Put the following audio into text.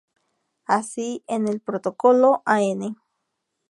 Así, en el protocolo A N°.